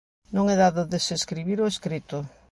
Non é dado desescribir o escrito.